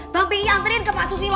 bang pi antrian ke pak susilo